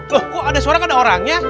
loh kok ada suara kan ada orangnya